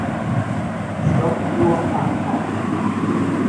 Stoppuhr anhalten.